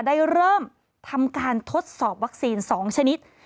ได้เริ่มทำการทดสอบวัคซีน๒ชนิด